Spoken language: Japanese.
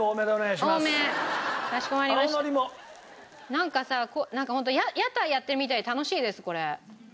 なんかさなんかホント屋台やってるみたいで楽しいですこれ。